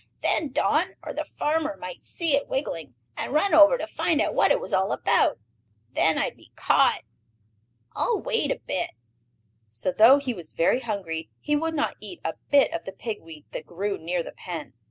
Then Don or the farmer might see it wiggling, and run over to find out what it was all about. Then I'd be caught. I'll wait a bit." So, though he was very hungry, he would not eat a bit of the pig weed that grew near the pen.